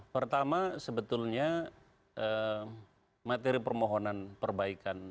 pertama sebetulnya materi permohonan perbaikan